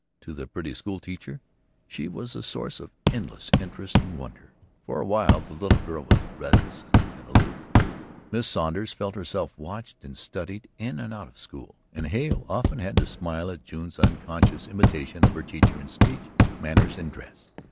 To the pretty school teacher she was a source of endless interest and wonder, for while the little girl was reticent and aloof, Miss Saunders felt herself watched and studied in and out of school, and Hale often had to smile at June's unconscious imitation of her teacher in speech, manners and dress.